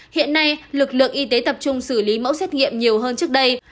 hiện nay lực lượng y tế tập trung xử lý mẫu xét nghiệm nhiều hơn trước đây